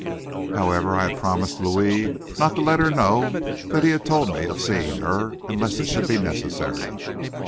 However, I had promised Louis not to let her know that he had told me of seeing her, unless it should be necessary.